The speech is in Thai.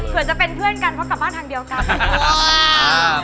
เผื่อจะเป็นเพื่อนกันเพราะกลับบ้านทางเดียวกัน